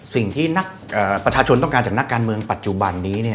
สิ่งที่นักประชาชนต้องการจากนักการเมืองปัจจุบันนี้